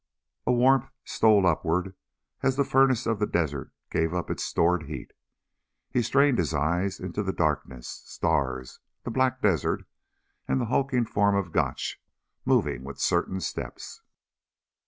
A warmth stole upward as the furnace of the desert gave up its stored heat. He strained his eyes into the darkness; stars, the black desert ... and the hulking form of Gotch, moving with certain steps.